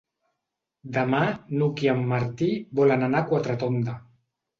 Demà n'Hug i en Martí volen anar a Quatretonda.